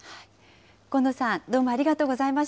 河野さん、どうもありがとうございました。